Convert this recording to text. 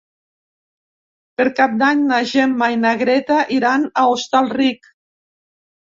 Per Cap d'Any na Gemma i na Greta iran a Hostalric.